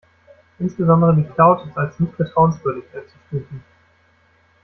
Insbesondere die Cloud ist als nicht vertrauenswürdig einzustufen.